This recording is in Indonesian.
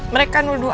mereka nuduh aku